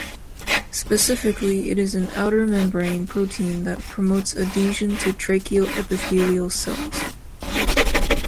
Specifically, it is an outer membrane protein that promotes adhesion to tracheal epithelial cells.